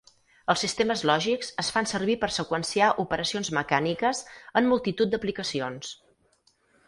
Els sistemes lògics es fan servir per seqüenciar operacions mecàniques en multitud d'aplicacions.